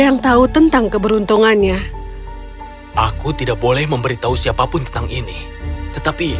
yang tahu tentang keberuntungannya aku tidak boleh memberitahu siapapun tentang ini tetapi